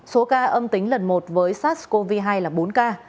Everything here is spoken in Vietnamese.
số ca âm tính lần một với sars cov hai là bốn ca